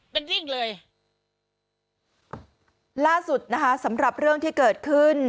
เป็นวิ่งเลยล่าสุดนะคะสำหรับเรื่องที่เกิดขึ้น